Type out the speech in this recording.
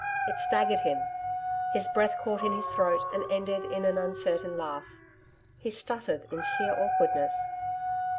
It staggered him. His breath caught in his throat and ended in an uncertain laugh. He stuttered in sheer awkwardness.